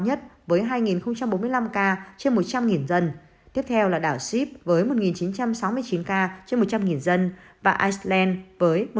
nhất với hai bốn mươi năm ca trên một trăm linh dân tiếp theo là đảo sip với một chín trăm sáu mươi chín ca trên một trăm linh dân và iceland với